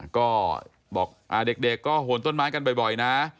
ก็บอกเด็กก็โหนต้นไม้กันบ่อยนะ